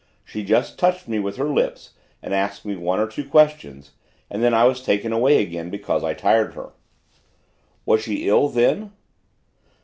She just touched me with her lips and asked me one or two questions, and then I was taken away again because I tired her." "Was she ill, then?"